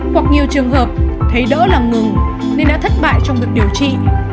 hoặc nhiều trường hợp thấy đỡ là ngừng nên đã thất bại trong việc điều trị